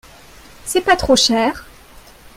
C'est pas trop cher.